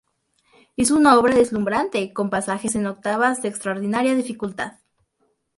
Es una obra deslumbrante con pasajes en octavas de extraordinaria dificultad.